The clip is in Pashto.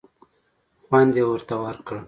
خوند یې ورته ورکړ.